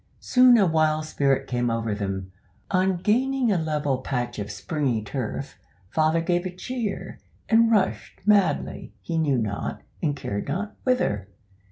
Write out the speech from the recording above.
Soon a wild spirit came over them. On gaining a level patch of springy turf, father gave a cheer, and rushed madly, he knew not, and cared not, whither.